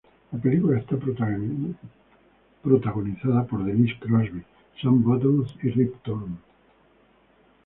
La película está protagonizada por Denise Crosby, Sam Bottoms y Rip Torn.